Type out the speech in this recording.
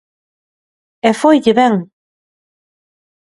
E foille ben.